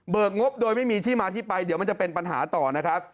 งบโดยไม่มีที่มาที่ไปเดี๋ยวมันจะเป็นปัญหาต่อนะครับ